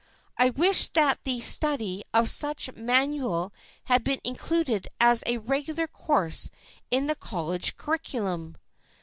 I wished that the study of such a manual had been included as a regular course in the college curriculum.